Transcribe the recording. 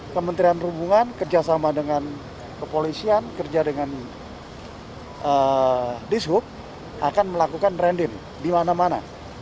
kementerian perhubungan kerjasama dengan kepolisian kerja dengan dishub akan melakukan random di mana mana